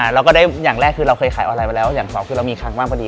เราก็ได้อย่างแรกคือเราเคยขายออนไลน์มาแล้วอย่างสองคือเรามีคังมากพอดี